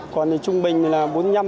còn trung bình là bốn mươi năm bốn mươi